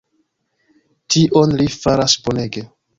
Tion li faras bonege.